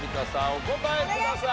お答えください。